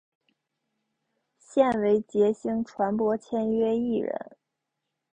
现为杰星传播签约艺人。